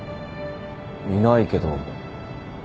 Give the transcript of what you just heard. いないけど。